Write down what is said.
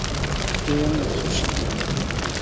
Ifka-yi iɣes ucekkab.